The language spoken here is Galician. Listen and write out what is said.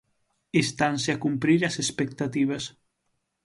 Estanse a cumprir as expectativas.